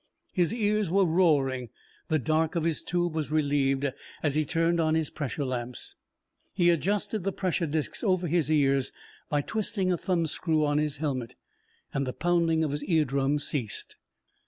His ears were roaring. The dark of his tube was relieved as he turned on his pressure lamps. He adjusted the pressure discs over his ears by twisting a thumbscrew on his helmet, and the pounding of his ear drums ceased.